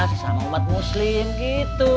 sama umat muslim gitu